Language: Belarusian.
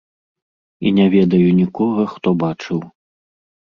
І не ведаю нікога, хто бачыў.